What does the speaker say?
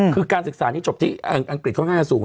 คือการศึกษานี้จบที่อังกฤษค่อนข้างจะสูง